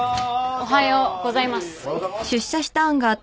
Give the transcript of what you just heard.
おはようございます。